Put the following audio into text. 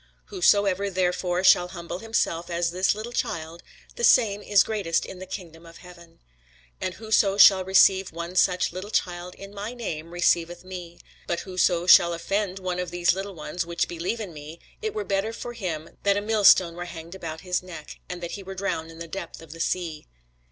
Whosoever therefore shall humble himself as this little child, the same is greatest in the kingdom of heaven. And whoso shall receive one such little child in my name receiveth me. But whoso shall offend one of these little ones which believe in me, it were better for him that a millstone were hanged about his neck, and that he were drowned in the depth of the sea.